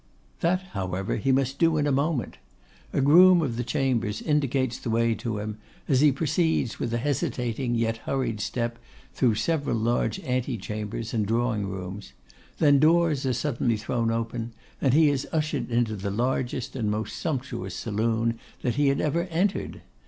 That, however, he must do in a moment. A groom of the chambers indicates the way to him, as he proceeds with a hesitating yet hurried step through several ante chambers and drawing rooms; then doors are suddenly thrown open, and he is ushered into the largest and most sumptuous saloon that he had ever entered.